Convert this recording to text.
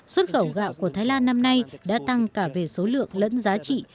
xuất khẩu gạo của thái lan năm nay đã tăng cả về số lượng lẫn giá trị